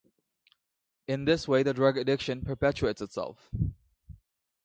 In this way the drug addiction perpetuates itself.